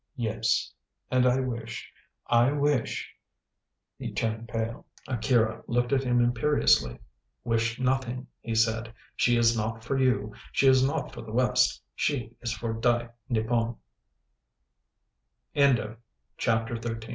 "Yes. And I wish I wish " he turned pale. Akira looked at him imperiously. "Wish nothing," he said; "she is not for you; she is not for the West; she is for Dai Nippon." CHAPTER XIV THE